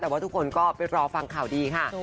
ว่าทุกก็ไปรอฟังข่าวดีค่ะ